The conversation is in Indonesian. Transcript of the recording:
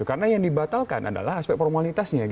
karena yang dibatalkan adalah aspek formalitasnya